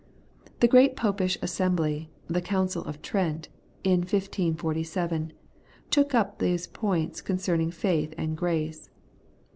The great Popish Assembly, the 'Council of Trent,' in 1547, took up these points concerning faith and grace.